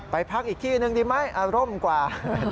พักอีกที่หนึ่งดีไหมอารมณ์กว่า